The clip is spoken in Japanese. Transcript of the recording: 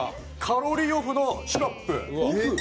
カロリーオフのシロップ。